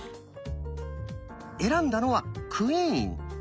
選んだのは「クイーン」。